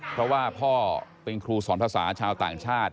เพราะว่าพ่อเป็นครูสอนภาษาชาวต่างชาติ